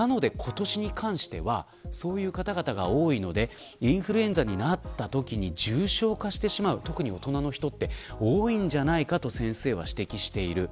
なので、今年に関してはそういう方々が多いのでインフルエンザになったときに重症化してしまう特に大人の人は多いんじゃないかと先生は指摘している。